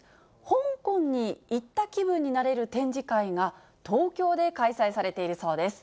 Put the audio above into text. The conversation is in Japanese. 香港に行った気分になれる展示会が、東京で開催されているそうです。